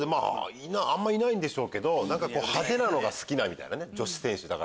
あんまいないんでしょうけど派手なのが好きだみたいな女子選手。